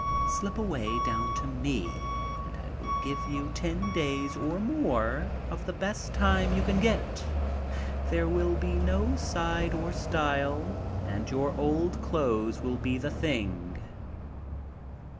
Slip away down to me and I will give you ten days or more of the best time you can get. There will be no side or style and your oldest clothes will be the thing."